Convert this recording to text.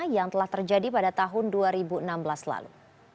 yang telah terjadi pada tahun dua ribu enam belas lalu